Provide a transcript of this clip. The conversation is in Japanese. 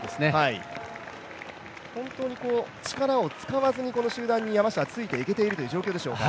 山下は本当に力を使わずに集団について行けているという状況でしょうか。